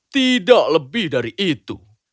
tidak lebih dari itu